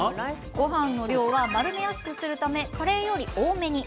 ごはんの量は丸めやすくするためカレーより多めに。